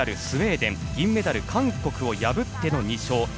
スウェーデンと銀メダルの韓国を破っての２勝。